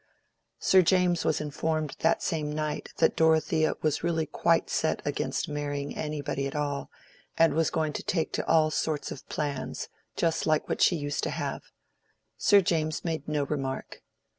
Sir James was informed that same night that Dorothea was really quite set against marrying anybody at all, and was going to take to "all sorts of plans," just like what she used to have. Sir James made no remark.